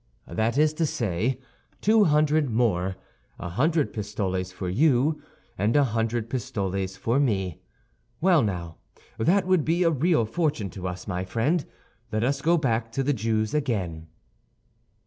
"That is to say, two hundred more—a hundred pistoles for you and a hundred pistoles for me. Well, now, that would be a real fortune to us, my friend; let us go back to the Jew's again."